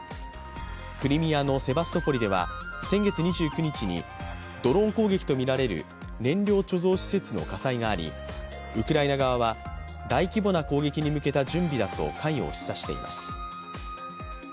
クリミアのセバストポリでは先月２９日にドローン攻撃とみられる燃料貯蔵施設の火災があり、ウクライナ側は、大規模な攻撃に向けた準備だと関与を示唆しています。